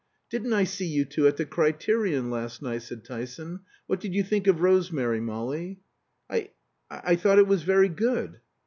"Didn't I see you two at the 'Criterion' last night?" said Tyson. "What did you think of 'Rosemary,' Molly?" "I I thought it was very good."